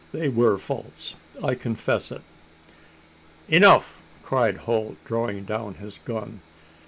"They were false I confess it." "Enuf!" cried Holt, drawing down his gun.